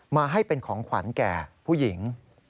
มาให้เป็นของขวัญแก่ผู้หญิง